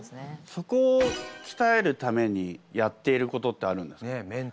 そこをきたえるためにやっていることってあるんですか？